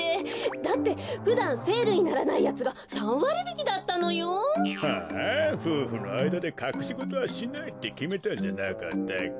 だってふだんセールにならないやつが３わりびきだったのよ。はあふうふのあいだでかくしごとはしないってきめたんじゃなかったっけ？